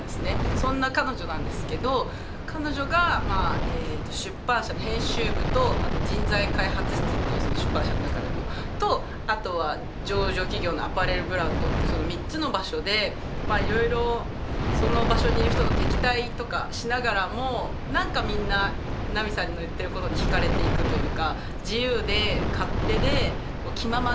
そんな彼女なんですけど彼女が出版社の編集部とあと人材開発室っていうその出版社の中でのとあとは上場企業のアパレルブランドってその３つの場所でいろいろその場所にいる人と敵対とかしながらも何かみんな奈美さんの言っていることに惹かれていくというか。